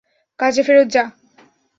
কাজে ফেরত যা।